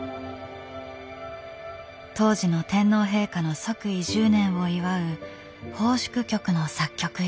当時の天皇陛下の即位１０年を祝う奉祝曲の作曲依頼。